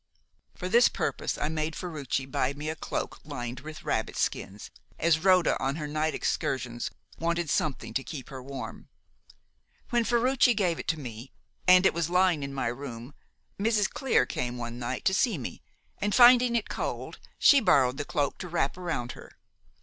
For this purpose I made Ferruci buy me a cloak lined with rabbit skins, as Rhoda on her night excursions wanted something to keep her warm. When Ferruci gave it to me, and it was lying in my room, Mrs. Clear came one night to see me, and finding it cold, she borrowed the cloak to wrap round her.